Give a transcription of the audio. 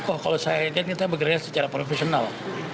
oh kalau saya ingin kita bergerak secara profesional